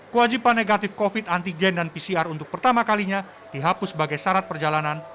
kewajiban negatif covid antigen dan pcr untuk pertama kalinya dihapus sebagai syarat perjalanan